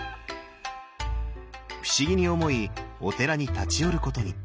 不思議に思いお寺に立ち寄ることに。